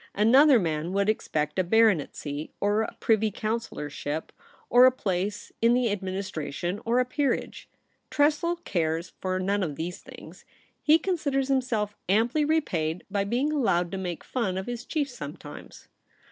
Another man would expect a baronetcy, or a Privy Councillorship, or a place in the Ad 74 THE REBEL ROSE. ministration, or a peerage. Tressel cares for none of these things. He considers himself amply repaid by being allowed to make fun of his chief sometimes.'